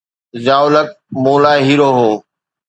ضياءُ الحق مون لاءِ هيرو هو.